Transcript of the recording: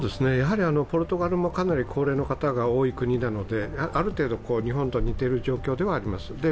ポルトガルもかなり高齢の方が多い国なので、ある程度、日本と似てる状況ではあります。